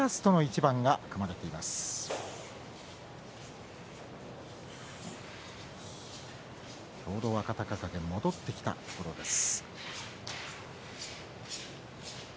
ちょうど若隆景戻ってきたところです。